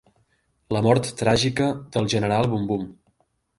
La mort tràgica del general Bumbum.